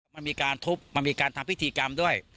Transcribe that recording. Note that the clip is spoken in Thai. มันมีการทุบมันมีการทำพิธีกรรมด้วย